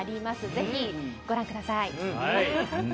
ぜひご覧ください。